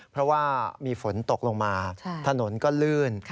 เพราะว่ามีฝนตกลงมาถนนก็ลื่น